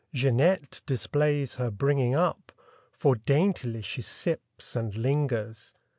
Jeanette displays her bringing up. For daintily she sips and lingers.